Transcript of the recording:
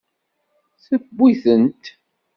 Tewwi-tent.